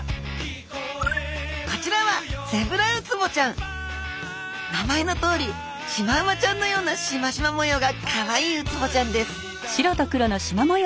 こちらは名前のとおりシマウマちゃんのようなシマシマ模様がかわいいウツボちゃんです